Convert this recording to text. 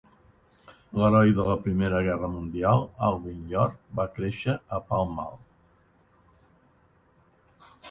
L'heroi de la Primera Guerra Mundial, Alvin York, va créixer a Pall Mall.